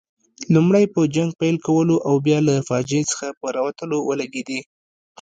لومړی په جنګ پیل کولو او بیا له فاجعې څخه په راوتلو ولګېدې.